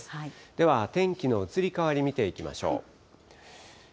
では天気の移り変わり見ていきましょう。